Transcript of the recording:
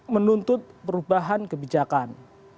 menuntut perubahan kebijakan